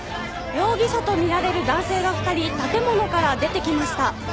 容疑者と見られる男性が２人建物から出てきました。